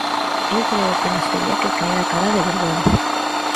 Eu creo que nos tería que caer a cara de vergonza.